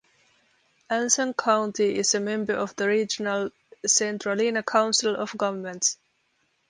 Anson County is a member of the regional Centralina Council of Governments.